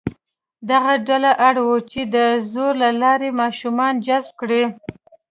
دغه ډله اړ وه چې د زور له لارې ماشومان جذب کړي.